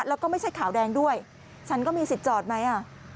แล้วก็ไม่ใช่ขาวแดงด้วยฉันก็มีสิทธิ์จอดไหมอ่ะ